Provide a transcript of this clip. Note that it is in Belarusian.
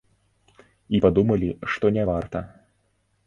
І падумалі, што не варта.